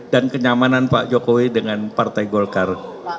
dan kenyamanan pak jokowi dengan partai golkar